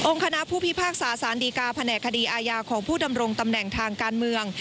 คณะผู้พิพากษาสารดีกาแผนกคดีอาญาของผู้ดำรงตำแหน่งทางการเมือง